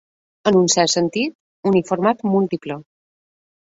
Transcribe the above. En un cert sentit, uniformat múltiple.